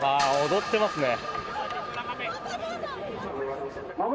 踊ってますね。